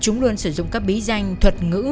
chúng luôn sử dụng các bí danh thuật ngữ